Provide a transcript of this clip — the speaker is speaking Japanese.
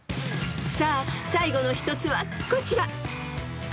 ［さあ最後の１つはこちら］